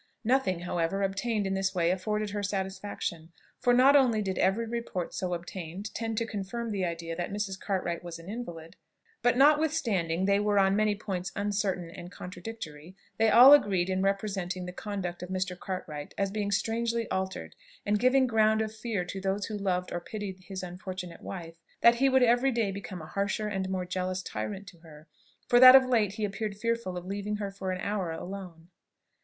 Nothing however, obtained in this way afforded her satisfaction: for not only did every report so obtained tend to confirm the idea that Mrs. Cartwright was an invalid, but notwithstanding they were on many points uncertain and contradictory, they all agreed in representing the conduct of Mr. Cartwright as being strangely altered, and giving ground of fear to those who loved or pitied his unfortunate wife, that he would every day become a harsher and more jealous tyrant to her, for that of late he appeared fearful of leaving her for an hour alone.